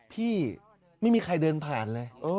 พี่ไม่มีใครเดินผ่านเลย